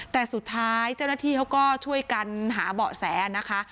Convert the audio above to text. แต่สุดท้ายเจ้าหน้าที่เขาก็ช่วยกันหาเบาะแสนะคะ